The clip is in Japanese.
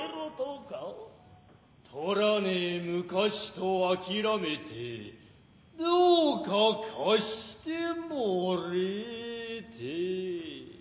取らねえ昔とあきらめてどうか貸してもれえてえ。